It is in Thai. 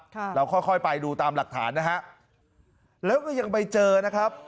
เราค่อยค่อยไปดูตามหลักฐานนะฮะแล้วก็ยังไปเจอนะครับ